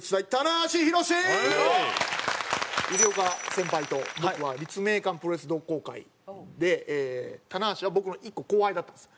ユリオカ先輩と僕は立命館プロレス同好会で棚橋は僕の１個後輩だったんですよ。